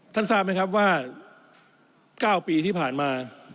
ทราบไหมครับว่า๙ปีที่ผ่านมา